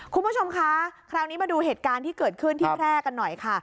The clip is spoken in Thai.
คุณผู้ชมคะคราวนี้มาดูเหตุการณ์ที่เกิดขึ้นที่แพร่กันหน่อยค่ะ